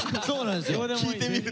そうなんですよ。